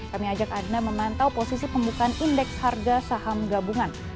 kami ajak anda memantau posisi pembukaan indeks harga saham gabungan